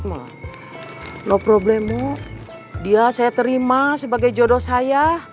gak ada masalah dia saya terima sebagai jodoh saya